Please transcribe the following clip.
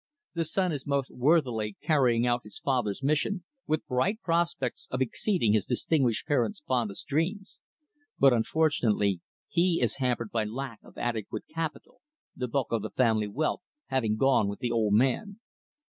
The son is most worthily carrying out his father's mission, with bright prospects of exceeding his distinguished parent's fondest dreams. But, unfortunately, he is hampered by lack of adequate capital the bulk of the family wealth having gone with the old man."